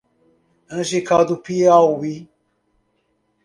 Angical do Piauí